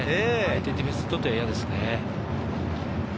ディフェンスにとっては嫌ですね。